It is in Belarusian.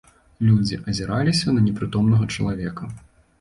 Людзі азіраліся на непрытомнага чалавека.